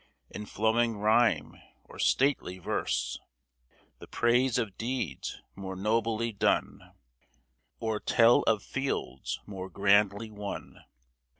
In flowing rhyme or stately verse. The praise of deeds more nobly done, Or tell of fields more grandly won